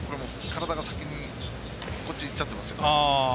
体が先にいっちゃってますよね。